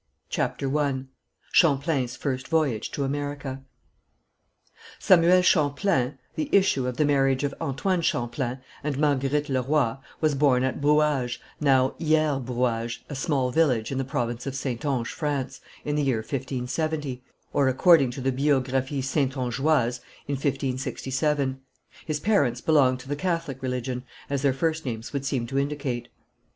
D. CHAPTER I CHAMPLAIN'S FIRST VOYAGE TO AMERICA Samuel Champlain, the issue of the marriage of Antoine Champlain and Marguerite Le Roy, was born at Brouage, now Hiers Brouage, a small village in the province of Saintonge, France, in the year 1570, or according to the Biographie Saintongeoise in 1567. His parents belonged to the Catholic religion, as their first names would seem to indicate.